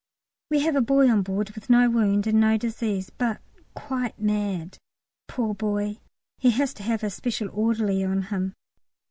We have a boy on board with no wound and no disease, but quite mad, poor boy; he has to have a special orderly on him.